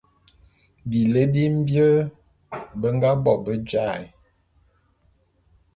Bilé bi mbie be nga bo be jaé'.